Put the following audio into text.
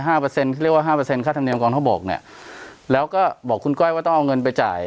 เปอร์เซ็นเขาเรียกว่าห้าเปอร์เซ็นค่าธรรมเนียมกองทบกเนี่ยแล้วก็บอกคุณก้อยว่าต้องเอาเงินไปจ่าย